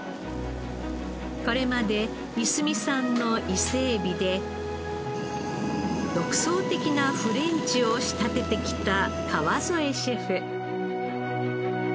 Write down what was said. これまでいすみ産の伊勢えびで独創的なフレンチを仕立ててきた川副シェフ。